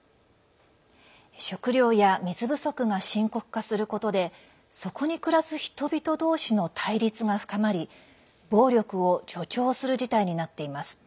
食料や水不足が深刻化することでそこに暮らす人々同士の対立が深まり、暴力を助長する事態になっています。